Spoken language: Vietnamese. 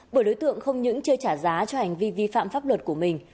bởi đối tượng không những chơi trả giá cho hành vi vi phạm pháp luật của mình